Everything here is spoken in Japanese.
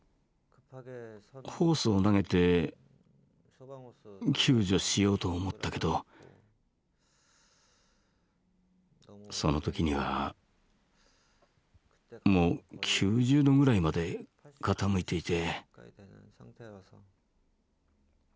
ホースを投げて救助しようと思ったけどその時にはもう９０度ぐらいまで傾いていて。